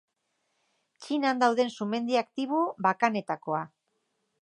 Txinan dauden sumendi aktibo bakanetakoa.